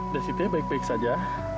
desi baik baik saja